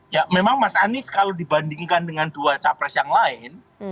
ya memang mas anies kalau dibandingkan dengan dua capres yang lain